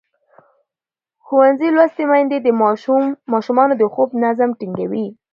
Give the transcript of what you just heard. ښوونځې لوستې میندې د ماشومانو د خوب نظم ټینګوي.